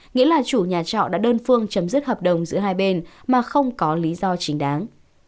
nghĩa là chủ nhà trọ đã đơn phương chấm dứt hợp đồng giữa hai bên mà không có lý do chính đáng